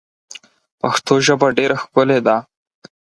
پښتو ژبه ډېره ښکلې ده.